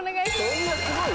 そんなすごいの？